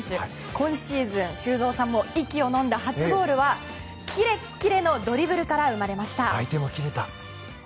今シーズン、修造さんも息をのんだ初ゴールはキレキレのドリブルから生まれました。